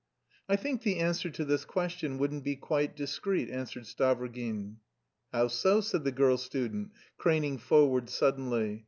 "I think the answer to this question wouldn't be quite discreet," answered Stavrogin. "How so?" said the girl student, craning forward suddenly.